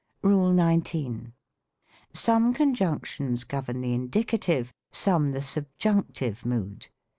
RULE XIX. Some conjunotions govern the indicative ; some the tjubjunctive mood.